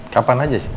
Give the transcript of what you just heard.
kapan aja sih